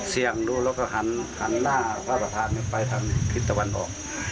ดูแล้วก็หันหน้าพระประธานไปทางทิศตะวันออก